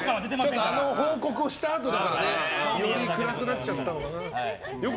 あの報告をしたあとだからより暗くなっちゃったのかな。